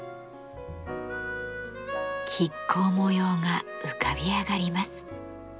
亀甲模様が浮かび上がります。